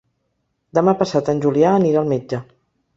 Demà passat en Julià anirà al metge.